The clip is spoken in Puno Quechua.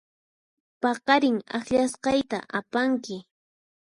Paqarin akllasqayta apanki.